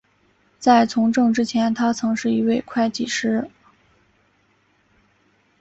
在从政之前他曾是一位会计师。